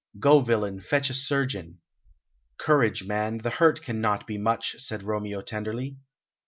Go, villain, fetch a surgeon." "Courage, man, the hurt cannot be much," said Romeo tenderly.